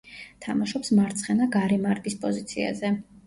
თამაშობს მარცხენა გარემარბის პოზიციაზე.